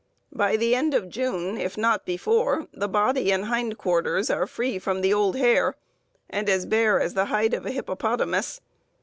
By the end of June, if not before, the body and hind quarters are free from the old hair, and as bare as the hide of a hippopotamus.